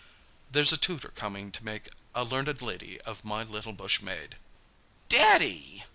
There's a tutor coming to make a learned lady of my little bush maid." "Daddy!"